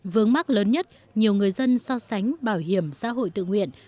vướng mắt lớn nhất nhiều người dân so sánh bảo hiểm xã hội tự nguyện